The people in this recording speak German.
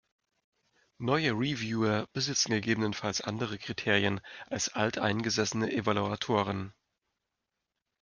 Neue Reviewer besitzen ggf. andere Kriterien als alteingesessene Evaluatoren.